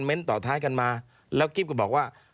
ต่อท้ายกันมาแล้วกิ๊บก็บอกว่า